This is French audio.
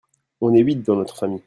On est huit dans notre famille.